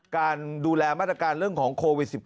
การดูแลมาตรการเรื่องของโควิด๑๙